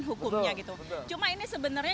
hukumnya gitu cuma ini sebenarnya